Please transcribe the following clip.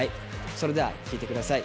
それでは聴いて下さい。